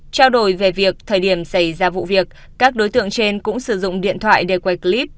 trao đổi về việc thời điểm xảy ra vụ việc các đối tượng trên cũng sử dụng điện thoại để quay clip